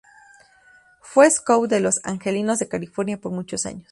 Fue scout de los Angelinos de California por muchos años.